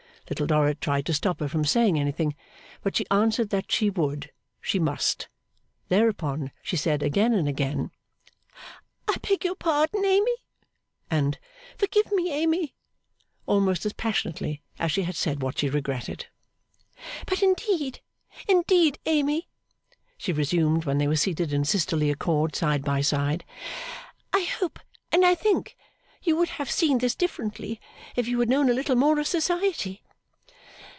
Little Dorrit tried to stop her from saying anything, but she answered that she would, she must! Thereupon she said again, and again, 'I beg your pardon, Amy,' and 'Forgive me, Amy,' almost as passionately as she had said what she regretted. 'But indeed, indeed, Amy,' she resumed when they were seated in sisterly accord side by side, 'I hope and I think you would have seen this differently, if you had known a little more of Society.